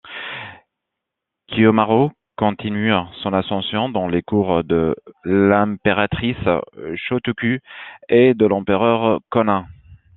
Kiyomaro continue son ascension dans les cours de l'impératrice Shōtoku et de l'empereur Kōnin.